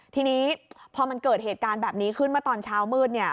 ทีนี้พอมันเกิดเหตุการณ์แบบนี้ขึ้นมาตอนเช้ามืดเนี่ย